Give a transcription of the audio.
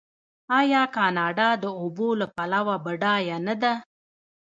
آیا کاناډا د اوبو له پلوه بډایه نه ده؟